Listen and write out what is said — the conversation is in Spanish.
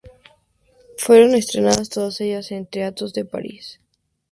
Fueron estrenadas todas ellas en teatros de París.